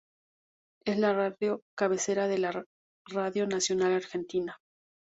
Es la radio cabecera de la Radio Nacional Argentina.